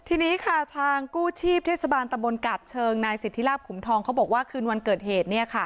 ทีนี้ค่ะทางกู้ชีพเทศบาลตะบนกาบเชิงนายสิทธิลาบขุมทองเขาบอกว่าคืนวันเกิดเหตุ